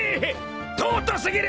［尊すぎる。